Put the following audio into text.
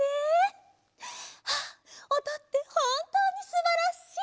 ああおとってほんとうにすばらしい！